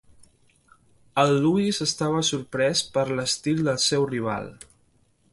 El Louis estava sorprès per l'estil del seu rival.